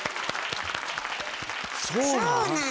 そうなん？